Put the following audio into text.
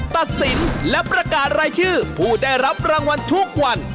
ตัดสินและประกาศรายชื่อผู้ได้รับรางวัลทุกวัน